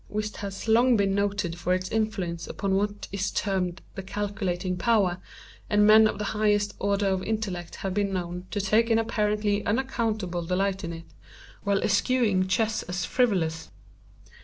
Whist has long been noted for its influence upon what is termed the calculating power; and men of the highest order of intellect have been known to take an apparently unaccountable delight in it, while eschewing chess as frivolous.